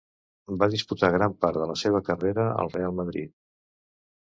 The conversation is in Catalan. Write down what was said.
Va disputar gran part de la seva carrera al Reial Madrid.